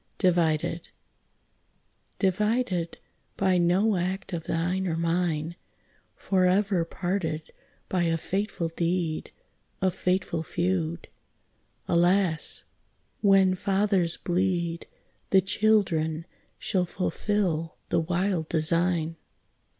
DIVIDED Divided by no act of thine or mine, Forever parted by a fatal deed, A fatal feud. Alas! when fathers bleed, The children shall fulfil the wild design.